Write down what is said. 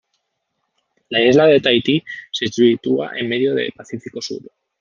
La isla de Tahití se sitúa en medio de Pacífico sur.